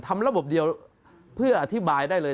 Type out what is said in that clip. ระบบเดียวเพื่ออธิบายได้เลย